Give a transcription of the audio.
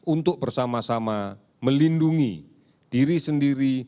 untuk bersama sama melindungi diri sendiri